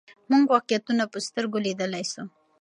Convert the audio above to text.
موږ واقعیتونه په سترګو لیدلای سو.